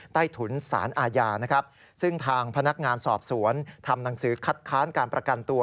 ใต้ถุนสารอาญานะครับซึ่งทางพนักงานสอบสวนทำหนังสือคัดค้านการประกันตัว